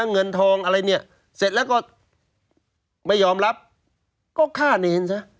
เงินทองอะไรเนี่ยเสร็จแล้วก็ไม่ยอมรับก็ฆ่าเนรซะ